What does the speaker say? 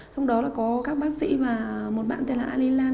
trong đó là có các bác sĩ và một bạn tên là ali lan